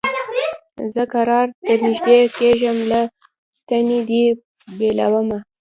زه کرار درنیژدې کېږم له تنې دي بېلومه